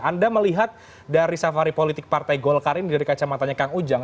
anda melihat dari safari politik partai golkar ini dari kacamatanya kang ujang